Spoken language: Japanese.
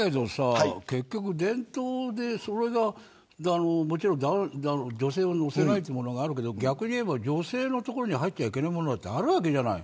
結局、伝統で女性を乗せないというのがあるけど逆に言えば女性のところに入ってはいけないところもあるわけじゃない。